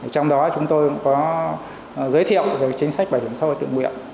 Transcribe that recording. trong đó chúng tôi cũng có giới thiệu về chính sách bảo hiểm xã hội tự nguyện